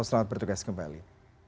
selamat bertugas kembali